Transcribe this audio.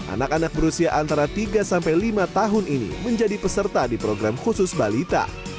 anak anak berusia antara tiga sampai lima tahun ini menjadi peserta di program khusus balita